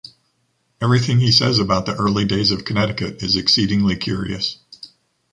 Everything he says about the early days of Connecticut is exceedingly curious.